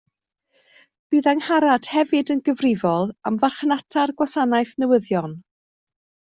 Bydd Angharad hefyd yn gyfrifol am farchnata'r gwasanaeth newyddion